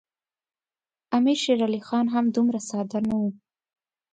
امیر شېر علي خان هم دومره ساده نه وو.